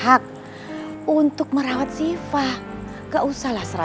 biar siva dirawat sama reno dan juga bella